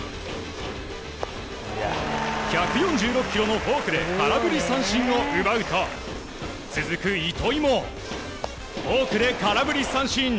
１４６キロのフォークで空振り三振を奪うと続く、糸井もフォークで空振り三振。